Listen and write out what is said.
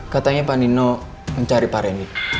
katanya panino mencari pak rendy